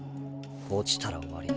落ちたら終わり。